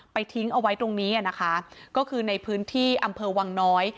ทิ้งเอาไว้ตรงนี้นะคะก็คือในพื้นที่อำเภอวังน้อย